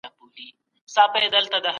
کله به حکومت ګمرک په رسمي ډول وڅیړي؟